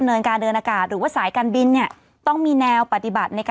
คงรักษาไม่ได้